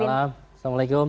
selamat malam assalamualaikum